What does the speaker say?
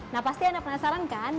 nah pasti anda penasaran kan